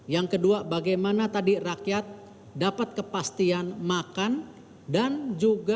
yang kedua bagaimana tadi rakyat dapat kepastian dan yang ketiga bagaimana rakyat dapat kepastian untuk menjaga kepentingan